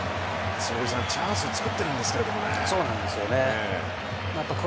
坪井さん、チャンス作っているんですけどね。